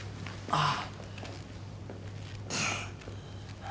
ああ。